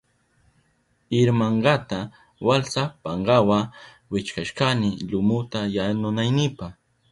Irmankata walsa pankawa wichkashkani lumuta yanunaynipa.